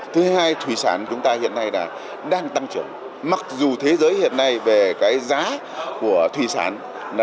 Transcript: thứ hai thủy sản chúng ta hiện nay đang tăng trưởng mặc dù thế giới hiện nay về cái giá của thủy sản